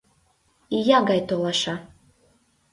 — Ия гай толаша.